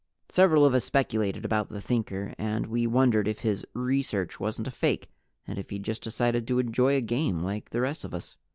Several of us speculated about the Thinker, and we wondered if his "research" wasn't a fake and if he'd just decided to enjoy a game like the rest of us.